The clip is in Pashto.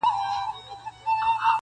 چي ملالي پکښي ګرځي د وطن پر ګودرونو!.